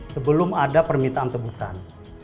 sebelum ada permintaan tebusan